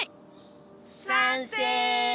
賛成！